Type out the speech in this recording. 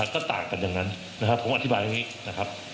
ก็ต่างกันอย่างนั้นผมอธิบายอย่างนี้